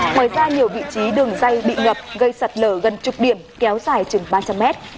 ngoài ra nhiều vị trí đường dây bị ngập gây sạt lở gần chục điểm kéo dài chừng ba trăm linh mét